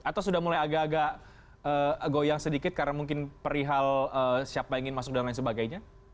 atau sudah mulai agak agak goyang sedikit karena mungkin perihal siapa yang ingin masuk dan lain sebagainya